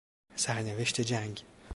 سرنوشت جنگ